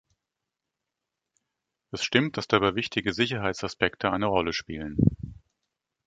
Es stimmt, dass dabei wichtige Sicherheitsaspekte eine Rolle spielen.